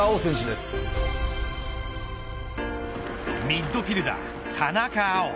ミッドフィルダー、田中碧。